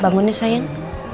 bangun yuk sayang